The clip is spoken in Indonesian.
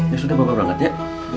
ya sudah bapak berangkat ya